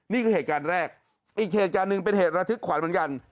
นี่คือเหตุการณ์แรกอีกเหตุการณ์หนึ่งเป็นเหตุระทึกขวัญเหมือนกัน